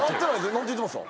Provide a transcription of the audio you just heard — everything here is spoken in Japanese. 何て言ってました？